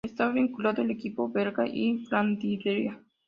Estaba vinculado al equipo belga Flandria.